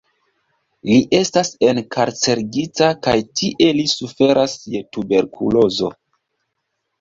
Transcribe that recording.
Li estas enkarcerigita, kaj tie li suferas je tuberkulozo.